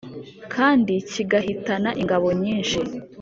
kandi kigahitana ingabo nyinshi